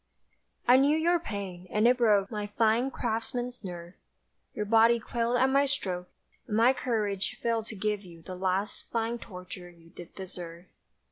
I knew your pain, and it broke My fine, craftsman's nerve; Your body quailed at my stroke, And my courage failed to give you the last Fine torture you did deserve.